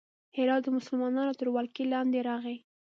هرات د مسلمانانو تر ولکې لاندې راغی.